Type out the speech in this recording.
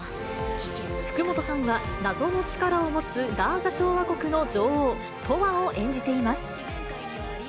福本さんは、謎の力を持つラージャ小亜国の女王、トワを演じています。